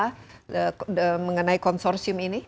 tujuannya apa mengenai konsorsium ini